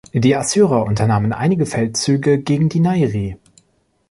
Die Assyrer unternahmen einige Feldzüge gegen die Nairi.